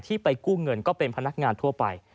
ไปกู้เงินก็เป็นพนักงานทั่วไป